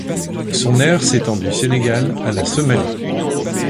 Son aire s'étend du Sénégal à la Somalie.